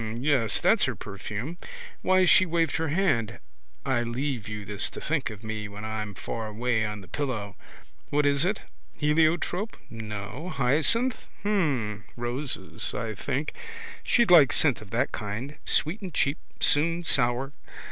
Yes. That's her perfume. Why she waved her hand. I leave you this to think of me when I'm far away on the pillow. What is it? Heliotrope? No. Hyacinth? Hm. Roses, I think. She'd like scent of that kind. Sweet and cheap: soon sour.